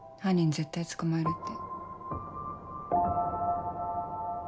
絶対捕まえるって。